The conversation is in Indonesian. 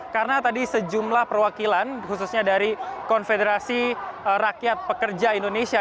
karena tadi sejumlah perwakilan khususnya dari konfederasi rakyat pekerja indonesia